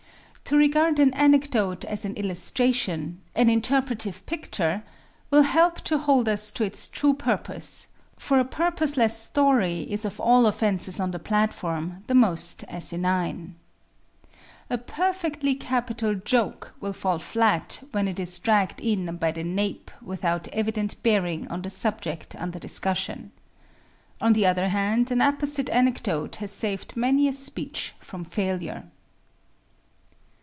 To regard an anecdote as an illustration an interpretive picture will help to hold us to its true purpose, for a purposeless story is of all offenses on the platform the most asinine. A perfectly capital joke will fall flat when it is dragged in by the nape without evident bearing on the subject under discussion. On the other hand, an apposite anecdote has saved many a speech from failure.